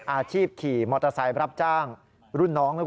อาชีพขี่มอเตอร์ไซค์รับจ้างรุ่นน้อง